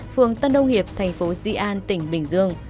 phường tân đông hiệp thành phố di an tỉnh bình dương